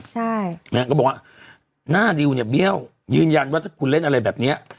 ใช่นางก็บอกว่าหน้าดิวเนี่ยเบี้ยวยืนยันว่าถ้าคุณเล่นอะไรแบบเนี้ย